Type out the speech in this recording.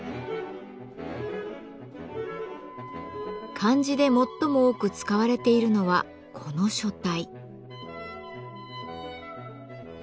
漢字で最も多く使われているのはこの書体。